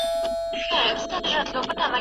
استاد شاګرد ته د کتابونو اخیستلو مشوره ورکړه.